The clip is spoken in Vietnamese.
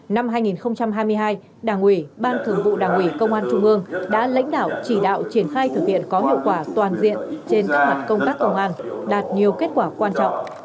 năm hai nghìn hai mươi hai đảng ủy ban thường vụ đảng ủy công an trung ương đã lãnh đạo chỉ đạo triển khai thực hiện có hiệu quả toàn diện trên các mặt công tác công an đạt nhiều kết quả quan trọng